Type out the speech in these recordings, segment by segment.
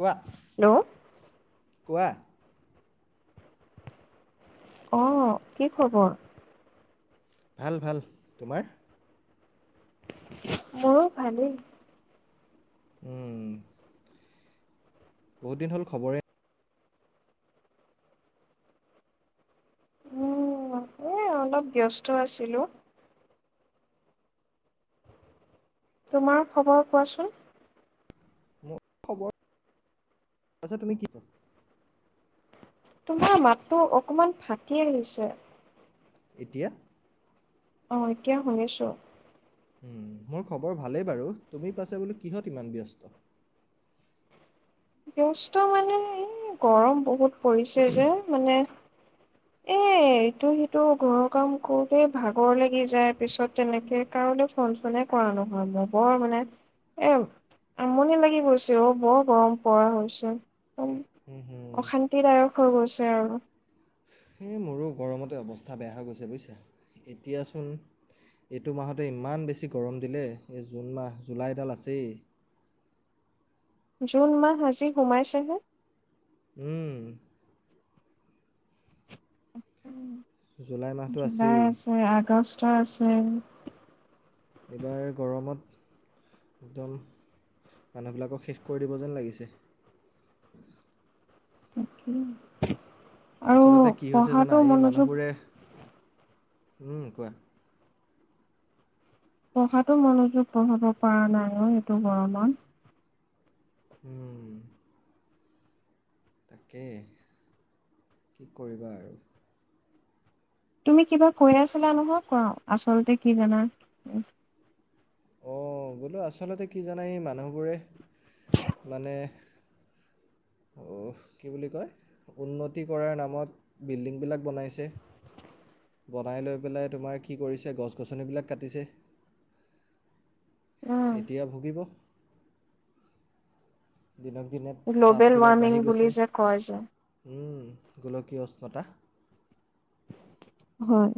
কোৱা। নো কোৱা। অহ কি খবৰ? ভাল, ভাল, তোমাৰ? মোৰো ভালেই। উম। বহুত দিন হ'ল খবৰে উম, এ, অলপ ব্যস্ত আছিলো। তোমাৰ খবৰ কোৱাচোন। মোৰ খবৰ, আচ্ছা তুমি কি কৰা? তোমাৰ মাতটো অকমান ফাটি আহিছে। এতিয়া অ', এতিয়া শুনিছো। হম, মোৰ খবৰ ভালেই বাৰু তুমি পাছে কিহত ইমান ব্যস্ত? ব্যস্ত মানে এই গৰম বহুত। পৰিছে যে, মানে এ, এইটো সিটো ঘৰৰ কাম কৰোতে ভাগৰ লাগি যায় পিছত তেনেকে কাৰোলৈ ফোন চনে কৰা নহয় মোৰ বৰ মানে এ, আমনি লাগি গৈছে অ', বৰ গৰম। পৰা হৈছে। হম-হ। অশান্তিদায়ক হৈ গৈছে আৰু। এ মোৰো গৰমতে অৱস্থা বেয়া হৈ গৈছে, বুইছা। এতিয়াচোন, এইটো মাহতে ইমান বেছি গৰম দিলে, এই জুন মাহ জুলাইডাল আছেই। জুন মাহ আজি শুমাইছেহে। উম। জুলাই মাহটো জুলাই আছেই আছে, আগষ্ট তা আছে। এইবাৰ গৰমত একদম মানুহবিলাকক শেষ কৰি দিব যেন লাগিছে। তাকেই। আচলতে কি হৈছে জানা এই মানুহবোৰে হুম কোৱা। পঢ়াতটো মনোযোগ বহাব পৰা নাই অ' এইটো গৰমত। উম। তাকেই, কি কৰিবা আৰু। তুমি কিবা কৈ আছিলা নহয়? ক, আচলতে কি জানা অ', বোলো আচলতে কি জানে এই মানুহবোৰে মানে ও, কি বুলি কয় উন্নতি কৰাৰ নামত বিল্ডিংবিলাক বনাইছে। বনাই লৈ পেলাই তোমাৰ কি কৰিছে? গছ গছনিবিলাক কাটিছে। উম, এতিয়া ভুগিব। দিনক দিনে গ্ল'বেল টাববিলাক ৱাৰ্মিং বাঢ়ি বুলি গৈছে, যে কয় যে। উম, গোলকীয় উষ্ণতা। হয়।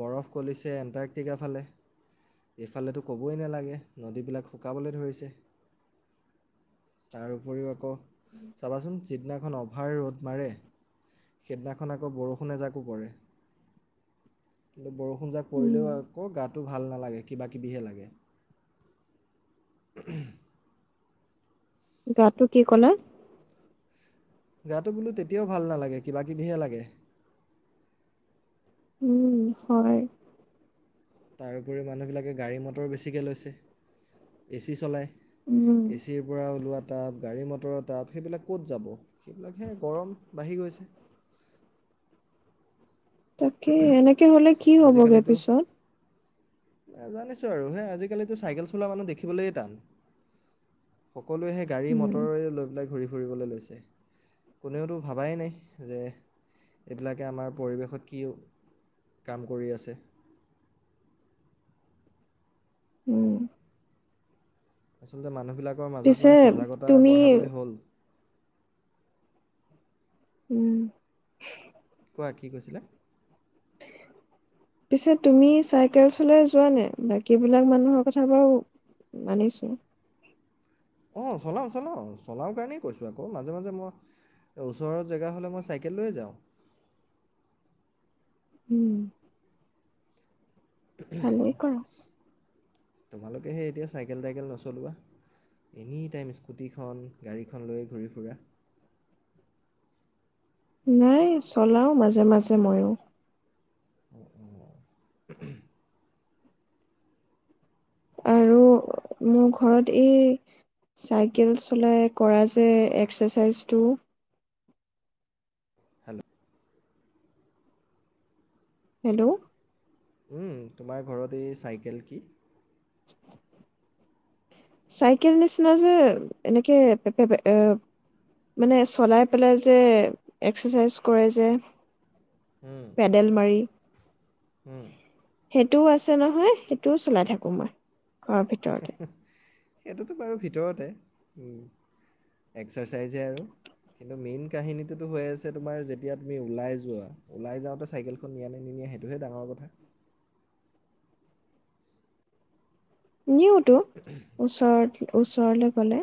বৰফ কলিছে এণ্টাৰ্টিকা ফালে, এইফালেতো ক'বই নালাগে নদীবিলাক শুকাবলৈ ধৰিছে। তাৰ উপৰিও আকৌ চাবাচোন। যিদিনাখন অভাৰ ৰ'দ মাৰে, সেইদিনাখন আকৌ বৰষুণ এজাকো পৰে। [unintelligible] ষুণজাক উম, পৰিলেও আকৌ গাত তো ভাল নালাগে, কিবা কিবিহে লাগে। [unintelligible] গাটো কি ক'লে? গাটো বোলো তেতিয়াও ভাল নালাগে, কিবা কিবিহে লাগে। উম হয়। তাৰপৰি মানুহবিলাকে গাড়ী-মটৰ বেছিকৈ লৈছে, এচি চলায়। উম, এচিৰ পৰা ওলোৱাত তাপ, গাড়ী-মটৰৰ তাপ, সেইবিলাক ক'ত যাব? সেইবিলাকে গৰম বাঢ়ি গৈছে। তাকে, এনেকে হ'লে কি হ'বগে পিছত? নাজানিছো আৰু হেই আজিকালিতো চাইকেল চলোৱা মানুহ দেখিবলৈে টান। কলোহে উম, গাড়ী-মটৰে লৈ পেলাই ঘূৰি ফ ঘুৰিবলৈ লৈছে, কোনোওটো ভাবাই নাই যে এইবিলাকে আমাৰ পৰিৱেশত কি কাম কৰি আছে। উম। আচলতে মানুহ বিলাকৰ মাজত পিছে মানে সজাগতা তুমি বঢ়াবলৈ হ'ল। উম। কোৱা কি কৈছিলে? পিছে তুমি চাইকেল চলাই যোৱা নে? বাকী বিলাক মানুহৰ কথা বাৰু মানিছো। অ', চলাওঁ, চলাওঁ। চলাওঁ কাৰণেই কৈছোঁ আকৌ মাজে মাজে মই ওচৰৰ জেগা হলে মই চাইকেল লৈয়ে যাওঁ। উম। ভালে কৰা। তোমালোকেহে এতিয়া চাইকেল থাইকেল নচলোৱা এনি টাইম স্কুটিখন গাড়ীখন লৈয়ে ঘূৰি ফুৰা নাই চলাওঁ মাজে, মাজে ময়ো। অ উহ আৰু মোৰ ঘৰত এই চাইকেল চলাই কৰা যে এক্সাৰচাইজটো হেল্ল হেল্ল উম, তোমাৰ ঘৰত এই চাইকেল কি? [inaudible] চাইকেল নিচিনা যে, এনেকে পে পে এ মানে চলাই পেলাই যে, এক্সাৰচাইজ কৰে যে পেডেল মাৰি হম। সেইটোও আছে নহয়, সেইটোও চলাই থাকো মই। ঘৰৰ ভিতৰতে [inaudible] সেইটোতো বাৰু ভিতৰতে, উম, এক্সাৰচাইজহে আৰু। কিন্তু মেইন কাহিনীটোতো হৈ আছে তোমাৰ যেতিয়া তুমি ওলাই যোৱা, ওলাই যাওঁতে চাইকেলখন নিয়া নে নিনিয়া, সেইটোহে ডাঙৰ কথা। নিওঁতো, ওচৰত [unintelligible] ওচৰলে গলে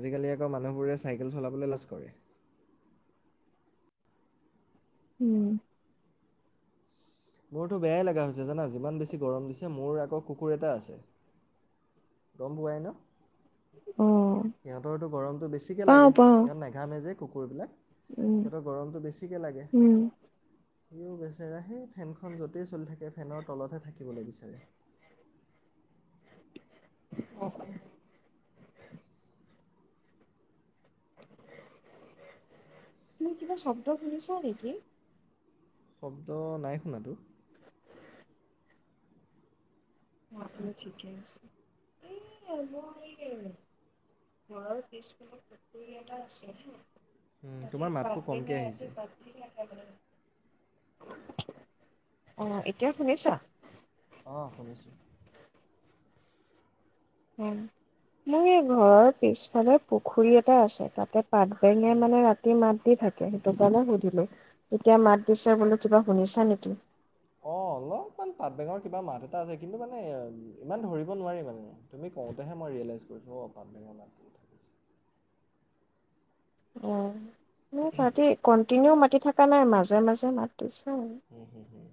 আজিকালি আকৌ মানুহবোৰে চাইকেল চলাবলৈ লাজ কৰে উম মোৰতো বেয়াই লগা হৈছে জানা যিমান বেছি গৰম দিছে মোৰ আকৌ কুকুৰ এটা আছে গম পোৱাই ন? অ' সিহঁতৰতো গৰমটো বেছিকে লাগে, পাওঁ পাওঁ সিহঁত নেঘামে যে। কুকুৰবিলাক উম সিহঁতৰ গৰমটো বেছিকে লাগে। উম। সিও বেচেৰা সেই ফেনখন যতেই চলি থাকে, ফেনৰ তলতহে থাকিবলৈ বিচাৰে। অ তুমি কিবা শব্দ শুনিচা নেকি শব্দ নাই শুনাতো। অ আপুনি ঠিকে আছে। এ মোৰ এই ঘৰৰ পিছফালে পুখুৰী এটা আছে হাঁ তাতে তোমাৰ মাতটো কমকৈ পাতবেঙে ৰাতি আহিছে [unintelligible] অহ এতিয়া শুনিছা অ শুনিছো উম, মোৰ এই ঘৰৰ পিছফালে পুখুৰী এটা আছে, তাতে পাত বেঙে মানে ৰাতি মাত তি থাকে, সেইটো কাৰণে সুধিলো। এতিয়া মাত দিছে বুলু কিবা শুনিছা নেকি? অ', অলপমান পাত বেঙৰ কিবা মাত এটা আছে, কিন্তু মানে ইমান ধৰিব নোৱাৰি মানে। তুমি কওঁতেহে মই ৰিয়েলাইজ কৰিছোঁ অ পাত বেঙৰ মাতটো‌ [inaudible] [inaudible] তিনিও মাতি থকা নাই মাজে মাজে মাত দিছে আৰু। উম, হুম, হুম।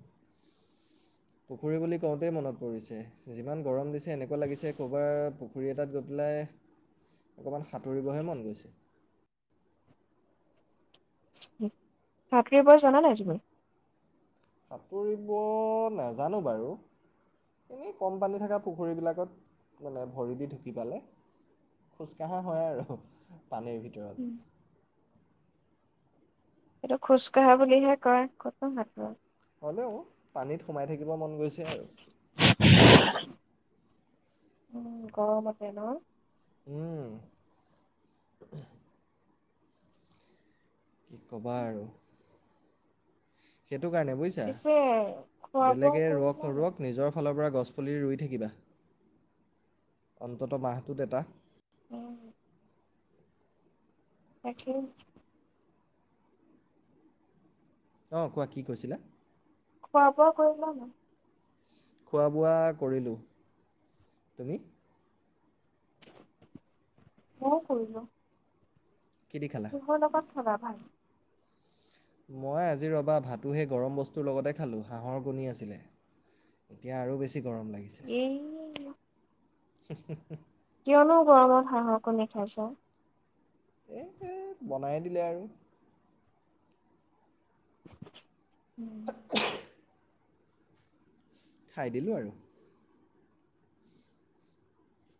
পুখুৰী বুলি কওঁতেই মনত পৰিছে, যিমান গৰম দিছে এনেকুৱা লাগিছে ক'ৰবাৰ পুখুৰী এটাত গৈ পেলাই অকমান সাঁতুৰিবহে মন গৈছে। হু, সাতুৰিব জানা নাই? [unintelligible] সাঁতুৰিব নাজানো বাৰু। এনেই কম পানী থাকা পুখুৰীবিলাকত, মানে ভৰি দি ঢুকি পালে, খোজকাঢ়া হয় আৰু। পানীৰ ভিতৰত এইটো খোজ কাঢ়া বুলিহে কয়। কতনো [unintelligible] হ'লেও পানীত সোমাই থাকিব মন গৈছে আৰু। [inaudible] উম গৰমতে ন? উম কি কবা আৰু! এইটো কাৰণে বুইছা, পিছে খোৱা বোৱা বেলেগে ৰুওক কৰিলা নাই? নুৰুঅক নিজৰ ফালৰ পৰা গছ পুলি ৰুই থাকিবা। অন্ততঃ মাহটোত এটা উম, তাকে অ', কোৱা কি কৈছিলা? খোৱা-বোৱা কৰিলা নাই? খোৱা-বোৱা কৰিলোঁ। তুমি? মও কৰিলো। কি দি খালা? কিহৰ লগত? খব ভাল? মই আজি ৰ'বা ভাতো সেই গৰম বস্তুৰ লগতে খালোঁ, হাঁহৰ কণী আছিলে। এতিয়া আৰু বেছি গৰম লাগিছে। এই হু, হু, হু কিয়নো গৰমত হাঁহৰ কণী খাইছ? এই বনাই দিলে আৰু [inaudible] [unintelligible] খাই দিলোঁ আৰু।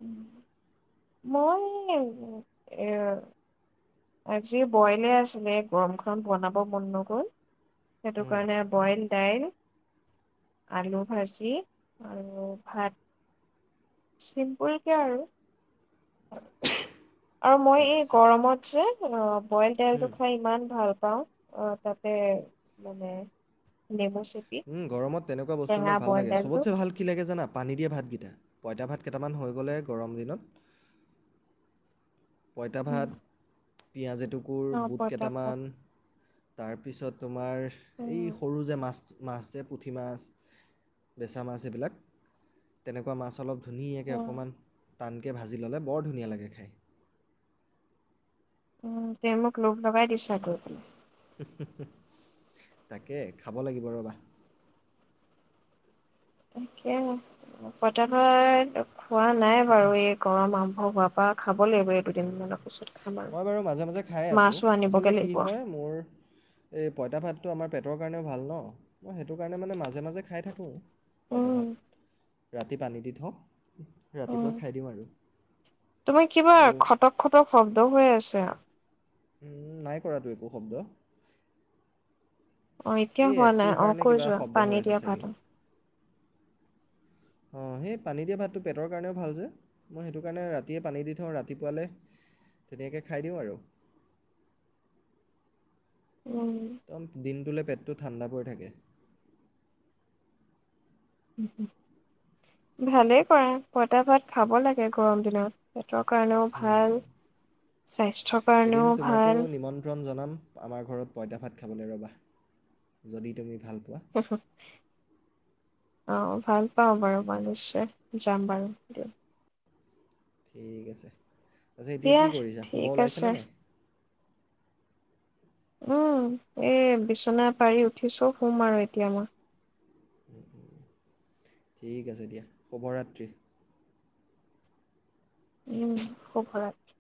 উম, মই এ আজি বইলে আছিলে, এই গৰমখন বনাব মন ন'গল। সেইটো উম, কাৰণে বইল দাইল, আলুভাজি আৰু ভাত চিম্পুলকে আৰু। আৰু মই এই আচ্ছা। গৰমত যে [unintelligible] ব'ইল তেলটো উম, খাই ইমান ভাল পাওঁ, অ, তাতে মানে নেমুচ উম, গৰমত তেনেকুৱা বস্তুবিলাক ভাল লাগে। দাইলটো। চবতচে ভাল কি লাগে জানা? পানী দিয়া ভাতকিটা, পঁইতা ভাত কেটামান হৈ গলে গৰম দিনত উম, পঁইতাভাত পিয়াজে কুকুৰ অ', বুট পইতা ভাত কেটামান তাৰপিছতো আমাৰ উম, এই সৰু যে, মাছ মাছ যে পুঠি মাছ, বেচা মাছ এইবিলাক তেনেকুৱা মাছ অলপ ধুনীয়াকে উম। অকণমান টানকে ভাজি ল'লে বৰ ধুনীয়া লাগে খাই। উম, তে মোক লোভ লগাই দিছা কৈ পেলাই। তাকে খাব লাগিব ৰ'বা। তাকে পঁইতাভাত খোৱা নাই বাৰু এই গৰম আম অ', বাপাক উম, মই বাৰু মাজে, মাজে খাই আছোঁ মাছো আচলতে আনিবগে কি লাগিব হয়, মোৰ এই পঁইতা ভাতটো আমাৰ পেটৰ কাৰণে ভাল ন মই সেইটো কাৰণে মানে মাজে, মাজে খাই থাকোঁ। উম, পঁইতাভাত। ৰাতি পানী দি থওঁ, উম। ৰাতিপুৱা খাই দিওঁ আৰু। তোমাৰ কিবা আৰু খটক, খটক শব্দ হৈ আছে। উম, নাই কৰাটো একো শব্দ। অ', এতিয়া এই হোৱা নাই। এপটোৰ অ' কাৰণে কৈ কিবা যোৱা শব্দ হৈ পানী আছে দিয়া চাগে ভাত অ', সেই পানী দিয়া ভাতটো পেটৰ কাৰণেও ভাল যে, মই সেইটো কাৰণে ৰাতিয়ে পানী দি থওঁ ৰাতিপুৱালৈ ধুনীয়াকৈ খাই দিওঁ আৰু। উম। তম দিনটোলৈ পেটটো ঠাণ্ডা পৰি থাকে। ভালেই কৰা পঁইতাভাত খাব লাগে গৰম দিনত। তৰ কাৰণেও হুম, ভাল। স্বাস্থ্যৰ এদিন কাৰণেও তোমাকো ভাল। নিমন্ত্ৰণ জনাম আমাৰ ঘৰত পঁইতা ভাত খাবলৈ ৰ'বা, যদি তুমি ভাল পোৱা [unintelligible] অ, ভাল পাওঁ বাৰু মই নিশ্চয় যাম বাৰু দিয়। ঠিক আছে। আজি এতিয়া দিয়া কি কৰিছা, শুব ঠিক ওলাইছানে আছে নাই? উম, এই বিচনা পাৰি উঠিছো সোম আৰু এতিয়া মই। ঠিক আছে দিয়া, শুভৰাত্ৰি। উম, শুভৰাত্ৰি।